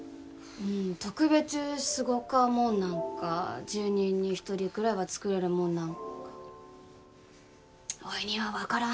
うーん特別すごかもんなんか１０人に１人くらいは作れるもんなんかおいには分からん